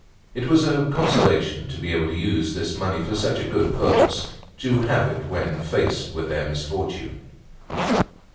It was a consolation to be able to use this money for such a good purpose, to have had it when faced with their misfortune.